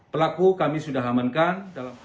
pelaku kami sudah hamankan